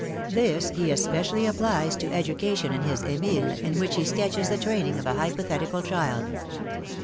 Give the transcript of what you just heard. This he es pecially applies to education in his Emile, in which he sketches the training of a hypothetical child.